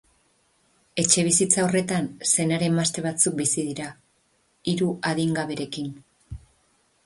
Etxebizitza horretan, senar-emazte batzuk bizi dira, hiru adingaberekin.